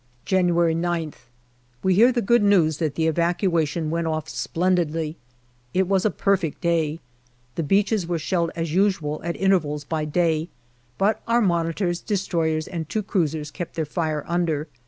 January 9th. We hear the good news that the evacuation went off splendidly. It was a perfect day. The beaches were shelled as usual at intervals by day, but our Monitors, destroyers and two cruisers kept their fire under.